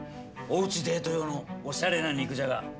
おうちデート用のおしゃれな肉じゃが。